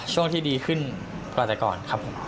ช่วงที่ดีขึ้นกว่าแต่ก่อนครับผม